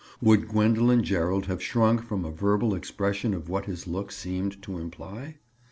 Would Gwendoline Gerald have shrunk from a verbal expression of what his look seemed to imply?